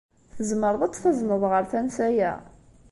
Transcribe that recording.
Tzemreḍ ad tt-tazneḍ ɣer tansa-a?